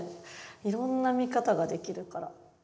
いろんな見方ができるから。